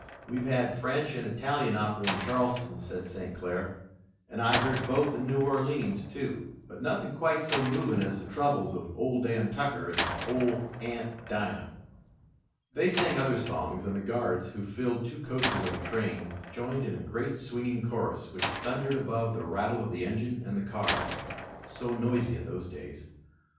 "We've had French and Italian opera in Charleston," said St. Clair, "and I've heard both in New Orleans, too, but nothing quite so moving as the troubles of Ole Dan Tucker and Ole Aunt Dinah." They sang other songs and the Guards, who filled two coaches of a train, joined in a great swinging chorus which thundered above the rattle of the engine and the cars, so noisy in those days.